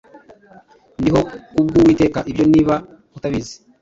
Ndiho kubw’uwiteka ibyo niba utabizi